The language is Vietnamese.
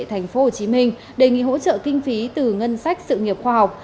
thành phố hồ chí minh đề nghị hỗ trợ kinh phí từ ngân sách sự nghiệp khoa học